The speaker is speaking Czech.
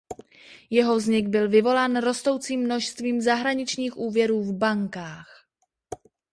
Jeho vznik byl vyvolán rostoucím množstvím zahraničních úvěrů v bankách.